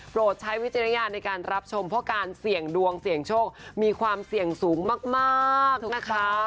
ใช้วิจารณญาณในการรับชมเพราะการเสี่ยงดวงเสี่ยงโชคมีความเสี่ยงสูงมากนะคะ